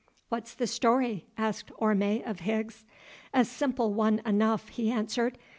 "What's the story?" asked Orme of Higgs. "A simple one enough," he answered.